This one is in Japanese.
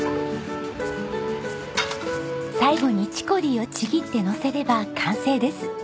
最後にチコリーをちぎってのせれば完成です。